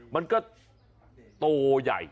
มันก็โตใหญ่